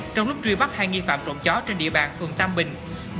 trong lúc truy bắt hai nghi phạm trộm chó trên địa bàn phường tam bình